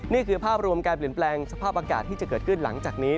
นี่คือภาพรวมการเปลี่ยนแปลงสภาพอากาศที่จะเกิดขึ้นหลังจากนี้